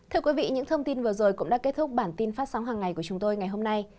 thưa quý vị những thông tin vừa rồi cũng đã kết thúc bản tin phát sóng hàng ngày của chúng tôi ngày hôm nay